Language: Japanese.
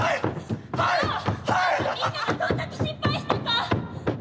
あんたみんながどんだけ心配したか！